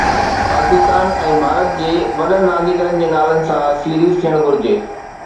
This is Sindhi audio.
پاڪستان ۽ ڀارت جي وڏن رانديگرن جي نالن سان سيريز ٿيڻ گهرجي